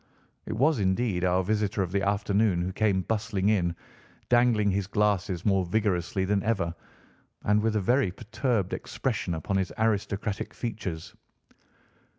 It was indeed our visitor of the afternoon who came bustling in, dangling his glasses more vigorously than ever, and with a very perturbed expression upon his aristocratic features.